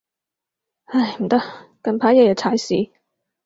唉，唔得，近排日日踩屎